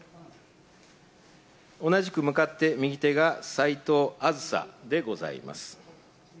同じく向かって右手が齋藤梓でございます。